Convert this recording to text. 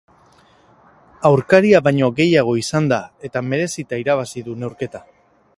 Aurkaria baino gehiago izan da, eta merezita irabazi du neurketa.